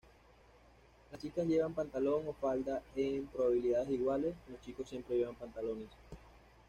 Las chicas llevan pantalón o falda en probabilidades iguales; los chicos siempre llevan pantalones.